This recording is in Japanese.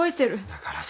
だからさ。